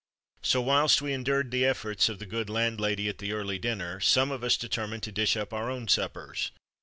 So, whilst we endured the efforts of the good landlady at the early dinner, some of us determined to dish up our own suppers.